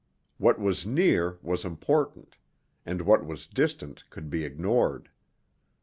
What was near was important, and what was distant could be ignored.